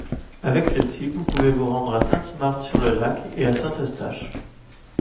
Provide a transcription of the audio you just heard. Avec celle-ci, vous pouvez vous rendre à Sainte-Marthe-sur-le-Lac et à Saint-Eustache.